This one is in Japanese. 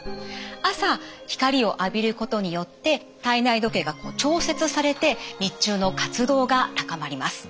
朝光を浴びることによって体内時計が調節されて日中の活動が高まります。